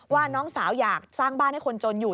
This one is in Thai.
ว่าน้องสาวอยากสร้างบ้านให้คนจนอยู่